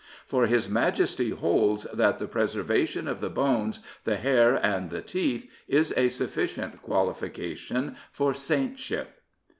For his Majesty holds that the preservation of the bones, the hair, and the teeth is a sufficient qualification for saintship.